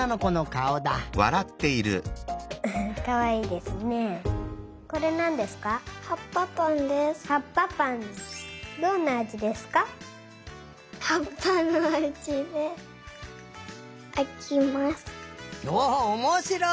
おっおもしろい！